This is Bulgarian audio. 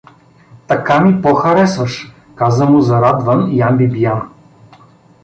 — Така ми по харесваш — каза му зарадван Ян Бибиян.